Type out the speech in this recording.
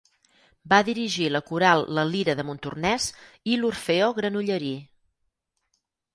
Va dirigir la coral La Lira de Montornès i l'Orfeó Granollerí.